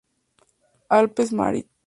Alpes Marit.